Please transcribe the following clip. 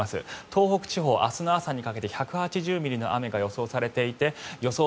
東北地方、明日の朝にかけて１８０ミリの雨が予想されていて予想